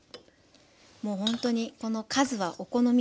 もうほんとにこの数はお好みで。